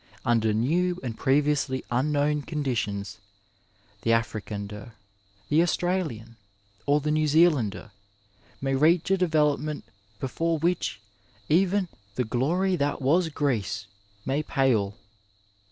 Under new and previously unknown conditions, the Africander, the Australian, or the New Zealander may reach a development before which even " the glory that was Greece " may pale.